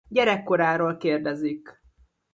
A gyerekkoráról kérdezik.